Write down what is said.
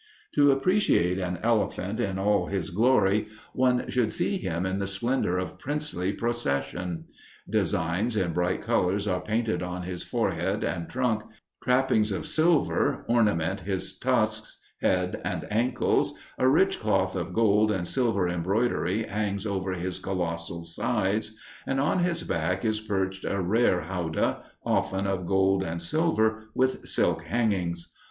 To appreciate an elephant in all his glory, one should see him in the splendor of princely procession. Designs in bright colors are painted on his forehead and trunk, trappings of silver ornament his tusks, head, and ankles, a rich cloth of gold and silver embroidery hangs over his colossal sides, and on his back is perched a rare howdah, often of gold and silver, with silk hangings.